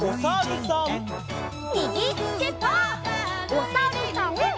おさるさん。